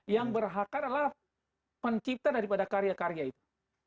yang berhak adalah pencipta daripada karya karya itu